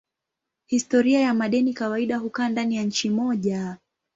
Historia ya madeni kawaida hukaa ndani ya nchi moja.